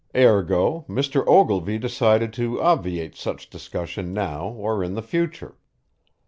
Ergo, Mr. Ogilvy decided to obviate such discussion now or in the future.